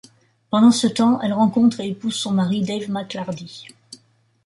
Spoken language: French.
Pendant ce temps, elle rencontre et épouse son mari Dave McLardy.